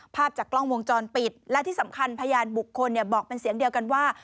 ภาพจากกล้องวงจรปิดและที่สำคัญพยานบุคคลบอกเป็นเสียงเดียวกันว่า